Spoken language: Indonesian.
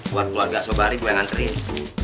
buat keluarga sobari gue yang nganterin